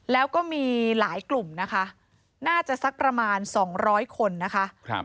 แล้วก็มีหลายกลุ่มนะคะน่าจะสักประมาณ๒๐๐คนนะคะ